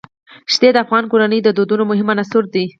ښتې د افغان کورنیو د دودونو مهم عنصر دی.